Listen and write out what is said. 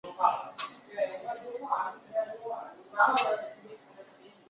特色是可以使用投影片的模式浏览。